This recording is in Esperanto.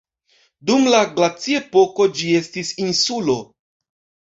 Dum la glaciepoko ĝi estis insulo.